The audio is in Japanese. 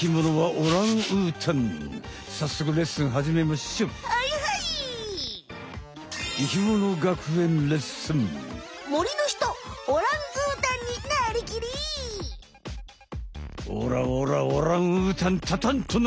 オラオラオランウータンたたんとな！